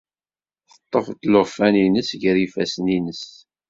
Teṭṭef llufan-ines gar ifassen-is.